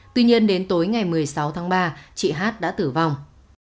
tuy nhiên đến tối ngày một mươi sáu tháng ba chị hát đã tử vong